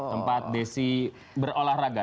tempat desi berolahraga